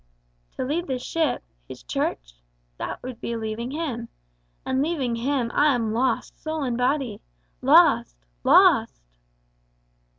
"To leave the ship his Church? That would be leaving him. And leaving him, I am lost, soul and body lost lost!"